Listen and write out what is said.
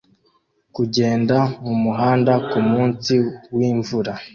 kugenda mumuhanda kumunsi wimvura